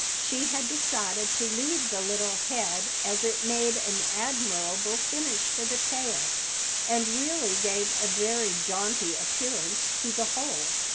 She had decided to leave the little head as it made an admirable finish for the tail, and really gave a very jaunty appearance to the whole.